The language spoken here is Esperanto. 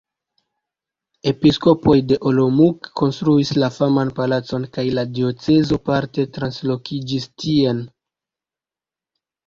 Episkopoj de Olomouc konstruis la faman Palacon kaj la diocezo parte translokiĝis tien.